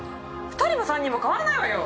２人も３人も変わらないわよ！